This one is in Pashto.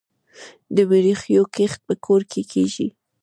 د مرخیړیو کښت په کور کې کیږي؟